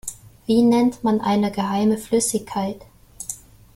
Wie nennt man eine geheime Flüssigkeit?